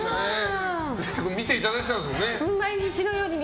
見ていただいてたんですもんね。